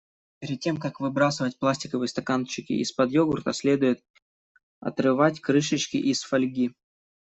Перед тем как выбрасывать пластиковые стаканчики из-под йогурта, следует отрывать крышечки из фольги.